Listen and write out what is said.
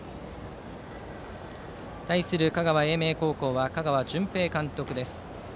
対する香川・英明高校は香川純平監督です。